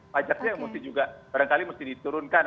pajaknya barangkali juga mesti diturunkan